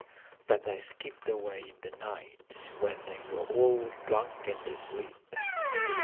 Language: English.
But I skipped away in the night when they were all drunk and asleep.